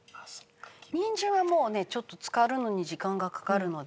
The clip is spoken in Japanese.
ニンジンはもうねちょっと漬かるのに時間がかかるので。